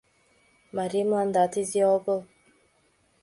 Марий мландат изи огыл.